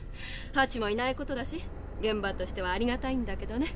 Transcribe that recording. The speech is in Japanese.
ハチもいないことだし現場としてはありがたいんだけどね。